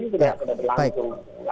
ternyata berdiri di situ